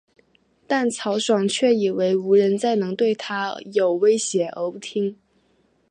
但曹爽却以为无人再能对他有威胁而不听。